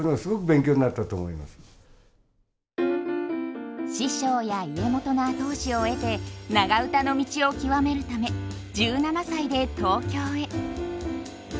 そういうの師匠や家元の後押しを得て長唄の道を究めるため１７歳で東京へ。